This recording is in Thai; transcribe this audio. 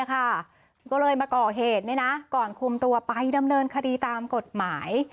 ก็เลยมาก่อเหตุก่อนคุมตัวไปดำเนินคดีตามกฎหมาย